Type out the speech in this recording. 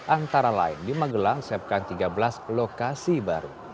antara lain di magelang siapkan tiga belas lokasi baru